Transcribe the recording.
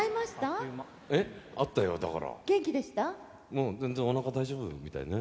もう全然おなか大丈夫みたいね。